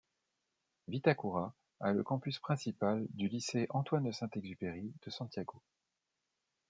Vitacura a le campus principal du Lycée Antoine-de-Saint-Exupéry de Santiago.